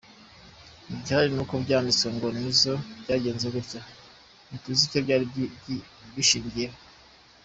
Igihari ni uko byanditswe ngo ‘Nizzo byagenze gutya, ntituzi icyo byari bishingiyeho’ …”.